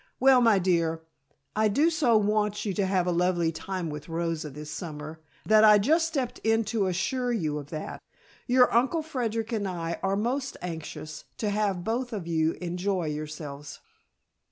Well, my dear, I do so want you to have a lovely time with Rosa this summer, that I just stepped in to assure you of that. Your Uncle Frederic and I are most anxious to have both of you enjoy yourselves.